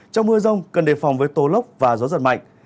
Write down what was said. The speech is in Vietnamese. trong mưa rông cần đề phòng với tố lốc và gió giật mạnh